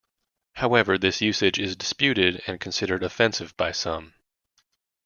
However, this usage is disputed and considered offensive by some.